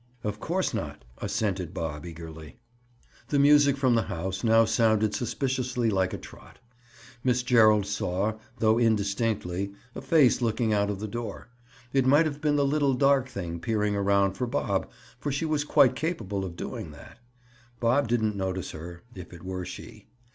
"Of course not," assented Bob eagerly. The music from the house now sounded suspiciously like a trot. Miss Gerald saw, though indistinctly, a face look out of the door. It might have been the little dark thing peering around for Bob, for she was quite capable of doing that. Bob didn't notice her—if it were she.